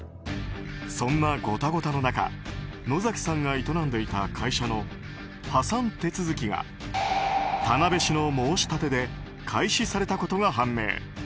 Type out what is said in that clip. そんなごたごたの中野崎さんが営んでいた会社の破産手続きが田辺市の申し立てで開始されたことが判明。